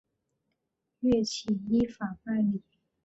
岳起依法办理。